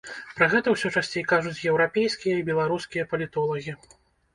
Пра гэта ўсё часцей кажуць еўрапейскія і беларускія палітолагі.